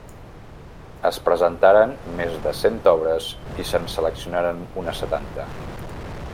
Es presentaren més de cent obres i se’n seleccionaren unes setanta.